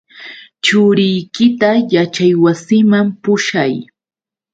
Churiykita yaćhaywasiman pushay.